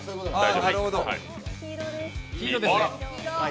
黄色です。